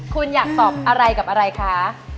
คุณอยากตอบอะไรกับอะไรคะ